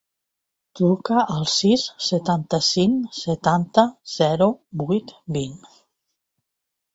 Truca al sis, setanta-cinc, setanta, zero, vuit, vint.